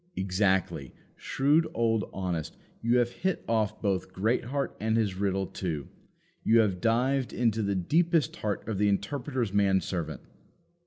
Exactly; shrewd old Honest; you have hit off both Greatheart and his riddle too. You have dived into the deepest heart of the Interpreter's man servant.